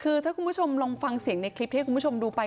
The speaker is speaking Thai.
คือถ้าคุณผู้ชมลองฟังเสียงในคลิปที่ให้คุณผู้ชมดูไป